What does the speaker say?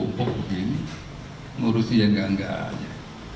mungkin ngurusi yang nggak nggak aja